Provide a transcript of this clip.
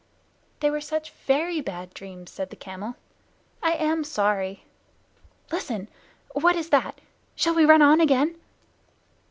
"They were such very bad dreams," said the camel. "I am sorry. Listen! What is that? Shall we run on again?"